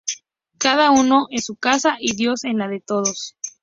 Cada uno en su casa, y Dios en la de todos